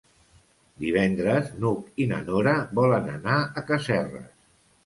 Divendres n'Hug i na Nora volen anar a Casserres.